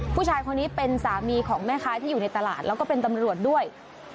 ผู้ชายคนนี้เป็นสามีของแม่ค้าที่อยู่ในตลาดแล้วก็เป็นตำรวจด้วย